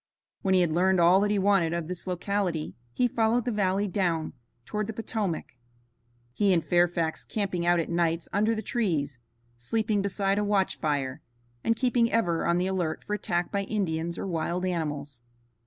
When he had learned all that he wanted of this locality, he followed the valley down toward the Potomac, he and Fairfax camping out at nights under the trees, sleeping beside a watch fire, and keeping ever on the alert for attack by Indians or wild animals.